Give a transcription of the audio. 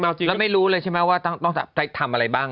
ตัวนี้ก็ไม่รู้เลยใช่ไหมว่าต้องจะทำอะไรบ้าง